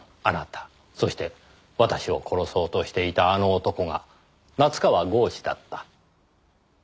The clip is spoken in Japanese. そして私を殺そうとしていた「あの男」が夏河郷士だった。